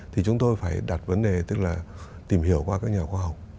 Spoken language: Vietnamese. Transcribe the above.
thì chúng tôi phải đặt vấn đề tức là tìm hiểu qua các nhà khoa học